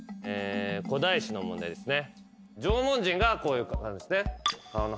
古代史の問題ですね。